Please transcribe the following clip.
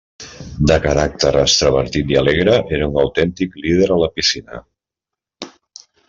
De caràcter extravertit i alegre, era un autèntic líder a la piscina.